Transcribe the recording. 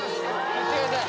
いってください